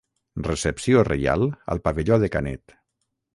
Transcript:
Recepció reial al pavelló de Canet.